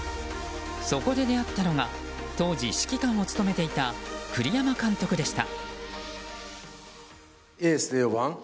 そこで出会ったのが当時、指揮官を務めていた栗山監督でした。